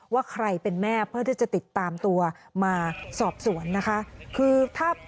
ว่าใครเป็นแม่เพื่อที่จะติดตามตัวมาสอบสวนนะคะคือถ้า